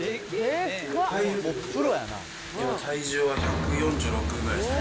体重は１４６ぐらいですね。